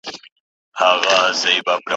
زما دعا به درسره وي زرکلن سې